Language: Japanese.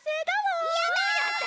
やった！